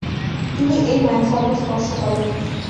তিনি এ মাইলফলক স্পর্শ করেন।